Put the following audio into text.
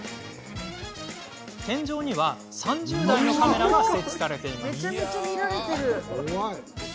天井には３０台のカメラが設置されています。